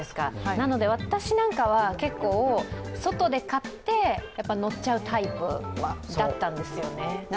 なので私なんかは、外で買って乗っちゃうタイプだったんですよね。